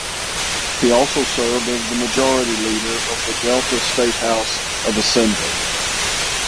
He also served as the Majority Leader of the Delta State House of Assembly.